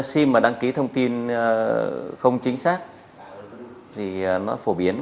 khi mà đăng ký thông tin không chính xác thì nó phổ biến